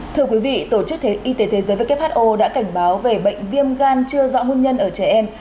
thưa quý vị tổ chức thế y tế thế giới who đã cảnh báo về bệnh viêm gan chưa rõ nguyên nhân ở trẻ em